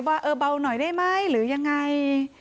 ว่าเออเบาหน่อยได้ไหมหรือยังไง